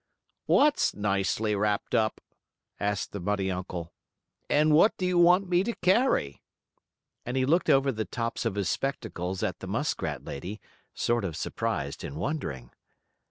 "What's nicely wrapped up?" asked the bunny uncle. "And what do you want me to carry?" And he looked over the tops of his spectacles at the muskrat lady, sort of surprised and wondering.